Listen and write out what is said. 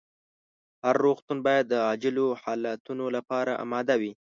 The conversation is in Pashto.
هر روغتون باید د عاجلو حالتونو لپاره اماده وي.